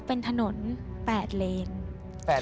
เป็นถนน๘เลน